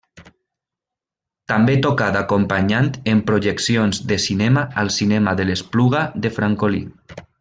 També tocà d'acompanyant en projeccions de cinema al cinema de l'Espluga de Francolí.